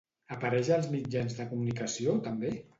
Apareix als mitjans de comunicació, també?